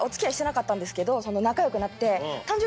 仲良くなって。